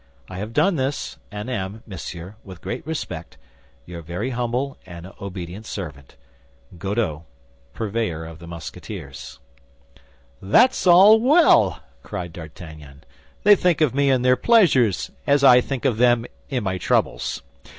I have done this, and am, monsieur, with great respect, Your very humble and obedient servant, GODEAU, Purveyor of the Musketeers "That's all well!" cried D'Artagnan. "They think of me in their pleasures, as I thought of them in my troubles.